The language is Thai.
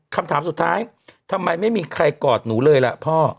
คำถามสุดท้ายทำไมไม่มีใครกอดหนูเลยล่ะพ่อ